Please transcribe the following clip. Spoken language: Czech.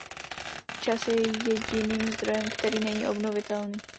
Čas je jediným zdrojem, který není obnovitelný.